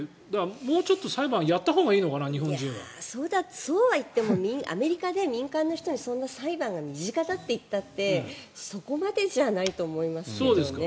もうちょっと裁判をやったほうがいいのかなそうはいってもアメリカで民間の人にそんな裁判が身近だといったってそこまでじゃないと思いますけどね。